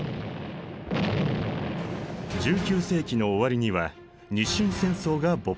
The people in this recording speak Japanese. １９世紀の終わりには日清戦争が勃発。